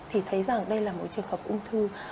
thì thấy rằng đây là một trường hợp ung thư